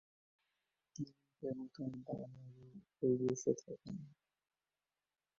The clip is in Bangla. তিনি দেবতার বাম উরুর উপর বসে থাকেন।